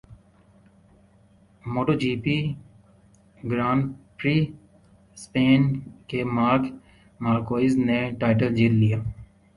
motto G P Grand Prix Spain کے Marc Marquez نےٹائٹل جیت لیا